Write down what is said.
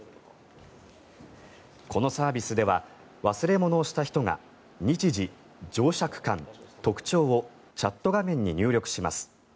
このサービスでは忘れ物をした人が日時、乗車区間、特徴をチャット画面に入力します。